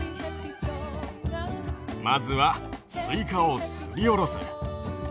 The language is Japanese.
まずはスイカをすりおろす。